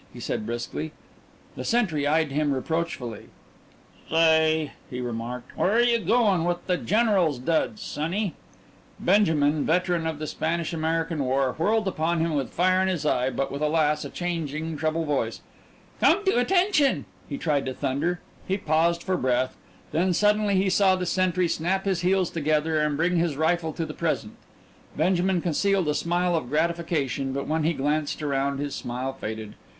he said briskly. The sentry eyed him reproachfully. "Say," he remarked, "where you goin' with the general's duds, sonny?" Benjamin, veteran of the Spanish American War, whirled upon him with fire in his eye, but with, alas, a changing treble voice. "Come to attention!" he tried to thunder; he paused for breath then suddenly he saw the sentry snap his heels together and bring his rifle to the present. Benjamin concealed a smile of gratification, but when he glanced around his smile faded.